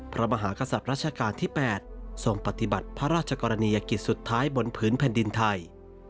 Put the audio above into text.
พระมหากษัตริย์ราชการที่๘ทรงปฏิบัติพระราชกรณียกิจสุดท้ายบนพื้นแผ่นดินไทย